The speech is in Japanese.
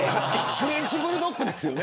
フレンチブルドックですよね。